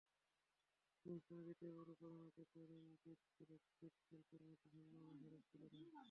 অনুষ্ঠানের দ্বিতীয় পর্বে প্রধান অতিথি রণজিৎ রক্ষিত শিল্পীর হাতে সম্মাননা স্মারক তুলে দেন।